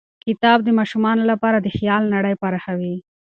کتاب د ماشومانو لپاره د خیال نړۍ پراخوي.